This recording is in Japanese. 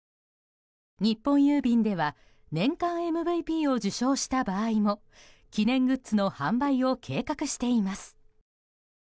日本郵便では年間ＭＶＰを受賞した場合も記念グッズの販売を計画しています。